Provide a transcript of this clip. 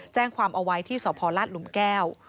แจ้งความเอาไว้ที่สพลาดหลุมแก้ว